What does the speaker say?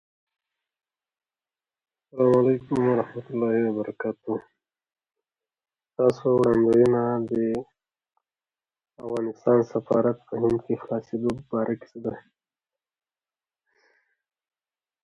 دوی په دې اړه بحث کوي.